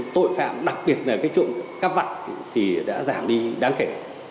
tội phạm đặc biệt là trộm cắp vặt đã giảm đi đáng kể